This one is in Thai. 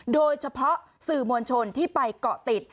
โดยเฉพาะสื่อมวลชนที่ไปเกาะติด